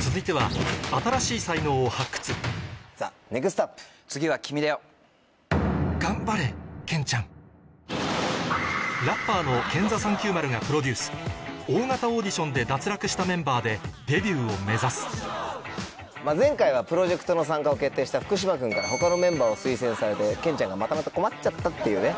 続いては新しい才能を発掘ラッパーのＫＥＮＴＨＥ３９０がプロデュース大型オーディションで脱落したメンバーでデビューを目指す前回はプロジェクトの参加を決定した福島くんから他のメンバーを推薦されてケンちゃんがまたまた困っちゃったっていうね。